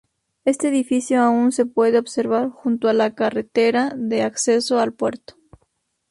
Este edificio aun se puede observar junto a la carretera de acceso al puerto.